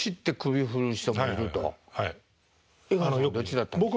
江川さんどっちだったんですか？